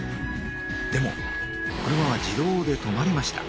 でも車は自動で止まりました。